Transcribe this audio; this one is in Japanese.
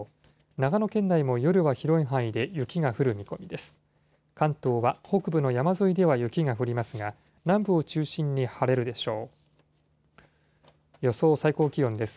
長野県内も夜は広い範囲で雪が降る見込みです。